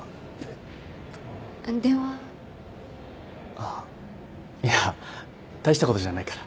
あっいや大したことじゃないから。